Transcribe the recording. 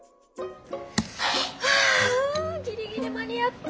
あギリギリ間に合った。